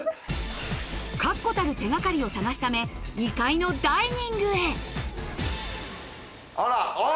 確固たる手がかりを探すため２階のダイニングへあらあ！